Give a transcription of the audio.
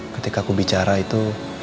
ketika aku bicara itu